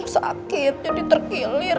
sakit jadi terkilir